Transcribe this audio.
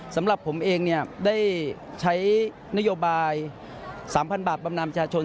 สำหรับผมเองได้ใช้นโยบาย๓๐๐บาทบำนำชาชน